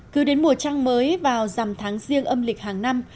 cứ đến mùa trang mới vào dằm tháng riêng âm lịch hàng năm